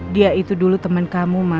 dia itu dulu temen kamu mas